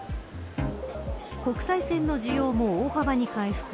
国際線の需要も大幅に回復。